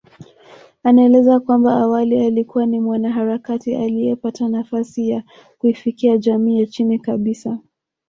Anaeleza kwamba awali alikuwa ni mwanaharakati aliyepata nafasi ya kuifikia jamii ya chini kabisa